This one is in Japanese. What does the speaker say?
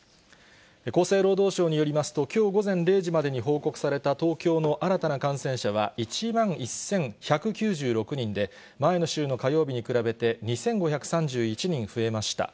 厚生労働省によりますと、きょう午前０時までに報告された東京の新たな感染者は１万１１９６人で、前の週の火曜日に比べて２５３１人増えました。